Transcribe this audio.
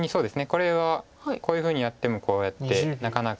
これはこういうふうにやってもこうやってなかなか。